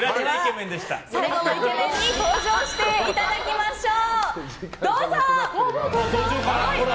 では、最後のイケメンに登場してもらいましょう。